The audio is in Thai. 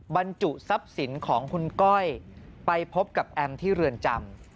บรรจุทรัพย์สินของคุณก้อยไปพบกับแอมที่เรือนจำ